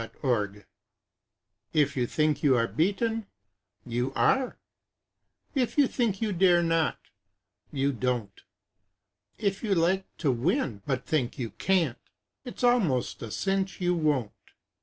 Wintle If you think you are beaten, you are If you think you dare not, you don't, If you like to win, but you think you can't It is almost certain you won't.